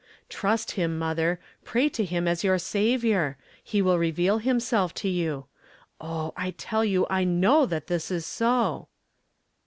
'I^rust him, mother; pray to him as your Saviour; he will reveal himself to you. Oh, I tell you I know that this is so